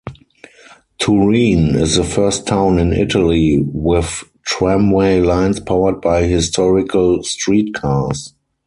Turin is the first town in Italy with tramway lines powered by historical streetcars.